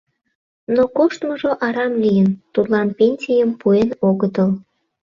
Но коштмыжо арам лийын, тудлан пенсийым пуэн огытыл.